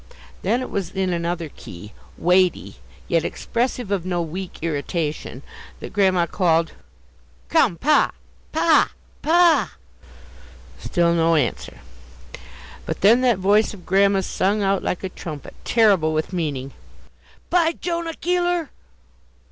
Then it was in another key, weighty, yet expressive of no weak irritation, that Grandma called "Come, pa! pa a! pa a a!" Still no answer. Then that voice of Grandma's sung out like a trumpet, terrible with meaning "Bijonah Keeler!"